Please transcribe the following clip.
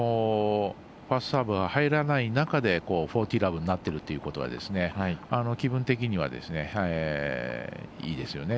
ファーストサーブが入らない中で４０−０になっているということは気分的にはいいですよね